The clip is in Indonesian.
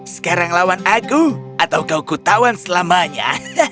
sekarang lawan aku atau kau kutawan selamanya